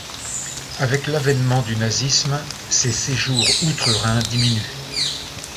Avec l’avènement du nazisme, ses séjours outre-Rhin diminuent.